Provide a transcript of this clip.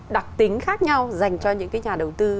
đặc tính khác nhau dành cho những cái nhà đầu tư